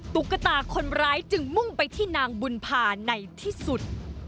ตุ๊กตาคนร้ายจึงมุ่งไปที่นางบุญภาในที่สุด